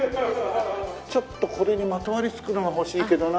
ちょっとこれにまとわりつくのが欲しいけどな。